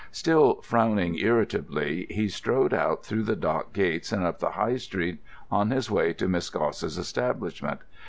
Still frowning irritably, he strode out through the dock gates and up the High Street on his way to Miss Gosse's establishment.